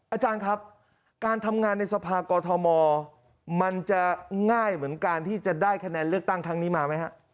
อาจารย์ครับการทำงานในสภากอทมมันจะง่ายเหมือนการที่จะได้คะแนนเลือกตั้งครั้งนี้มาไหมฮะ